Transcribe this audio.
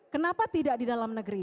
kenapa tidak di dalam negeri